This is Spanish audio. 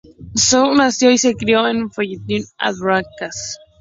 Stone nació y se crió en Fayetteville, Arkansas.